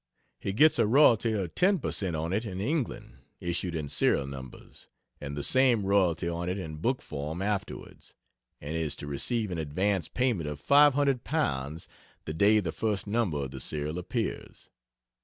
He gets a royalty of ten per cent on it in England (issued in serial numbers) and the same royalty on it in book form afterwards, and is to receive an advance payment of five hundred pounds the day the first No. of the serial appears.